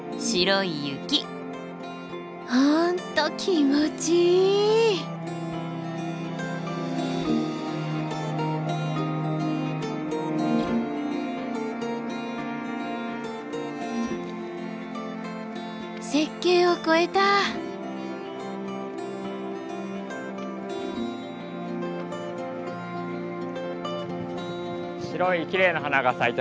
白いきれいな花が咲いてますね。